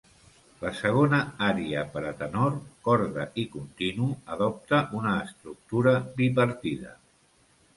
La segona ària per a tenor, corda i continu, adopta una estructura bipartida.